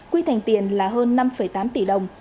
quy thành tiền là hơn năm tám tỷ đồng